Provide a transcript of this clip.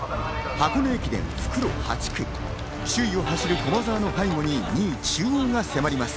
箱根駅伝復路８区、首位を走る駒澤の背後に２位・中央が迫ります。